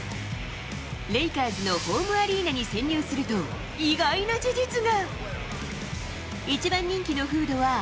レイカーズのホームアリーナに潜入すると、意外な事実が。